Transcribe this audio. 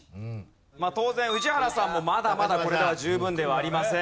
当然宇治原さんもまだまだこれでは十分ではありません。